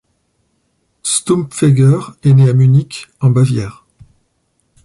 Stumpfegger est né à Munich en Bavière.